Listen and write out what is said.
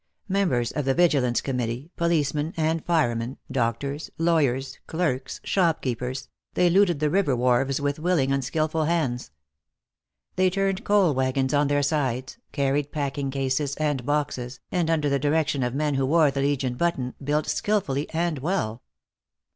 Members of the Vigilance Committee, policemen and firemen, doctors, lawyers, clerks, shop keepers, they looted the river wharves with willing, unskillful hands. They turned coal wagons on their sides, carried packing cases and boxes, and, under the direction of men who wore the Legion button, built skillfully and well.